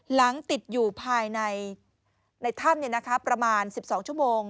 หลังติดอยู่ภายในถ้ำประมาณ๑๒ชั่วโมง